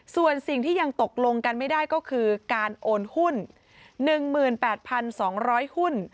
ส่วนสิ่งที่ยังตกลงกันไม่ได้ก็คือการโอนหุ้นหนึ่งหมื่น๘๒๐๐